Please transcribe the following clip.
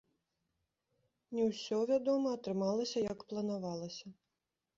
Не ўсё, вядома, атрымалася, як планавалася.